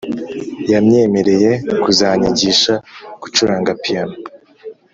yamyemereye kuzanyigisha gucuranga piano